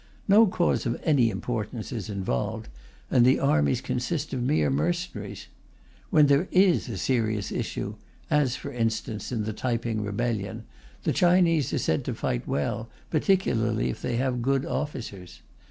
No cause of any importance is involved, and the armies consist of mere mercenaries. When there is a serious issue, as, for instance, in the Tai Ping rebellion, the Chinese are said to fight well, particularly if they have good officers.